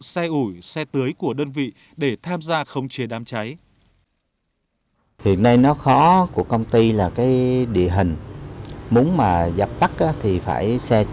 xe ủi xe tưới của đơn vị để tham gia khống chế đám cháy